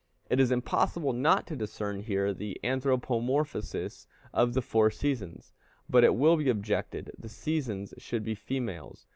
It is impossible not to discern here the anthropomorphosis of the four seasons. But, it will be objected, the seasons should be females.